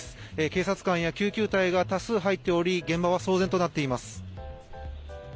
警察官や救急隊が多数入っており現場は騒然となっています。